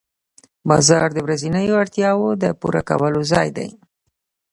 بازار د ورځنیو اړتیاوو د پوره کولو ځای دی